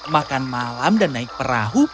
makan malam dan naik perahu